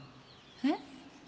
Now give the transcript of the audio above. えっ？